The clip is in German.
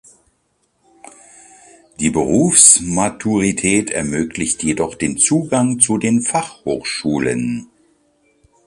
Die Berufsmaturität ermöglicht jedoch den Zugang zu den Fachhochschulen.